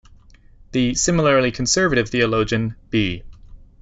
The similarly conservative theologian B.